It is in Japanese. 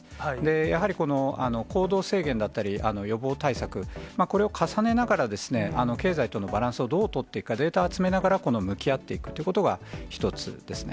やはり、行動制限だったり予防対策、これを重ねながら、経済とのバランスをどう取っていくか、データを集めながら向き合っていくということが一つですね。